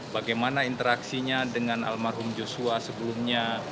bagaimana interaksinya dengan almarhum joshua sebelumnya